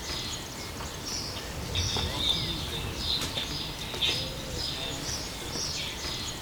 It may also be read at a central location in a town or village.